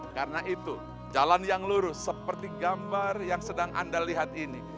karena itu jalan yang lurus seperti gambar yang sedang anda lihat ini